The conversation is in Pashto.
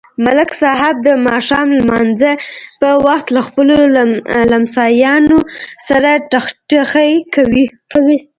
ملک صاحب د ماښام نمانځه په وخت له خپلو لمسیانو سره ټخټخی کوي.